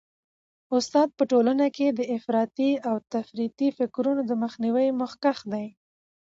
استاد په ټولنه کي د افراطي او تفریطي فکرونو د مخنیوي مخکښ دی.